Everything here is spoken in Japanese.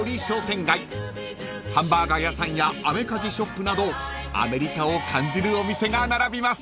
［ハンバーガー屋さんやアメカジショップなどアメリカを感じるお店が並びます］